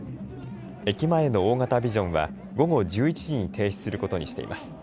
駅前の大型ビジョンは午後１１時に停止することにしています。